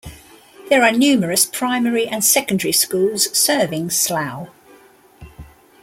There are numerous primary and secondary schools serving Slough.